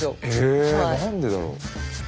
え何でだろう。